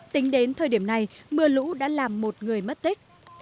tính đến thời điểm này mưa lũ đã làm một người mất tích